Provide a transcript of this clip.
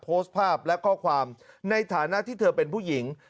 โพสต์ภาพและข้อความในฐานะที่เธอเป็นผู้หญิง